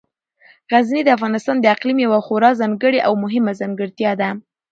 غزني د افغانستان د اقلیم یوه خورا ځانګړې او مهمه ځانګړتیا ده.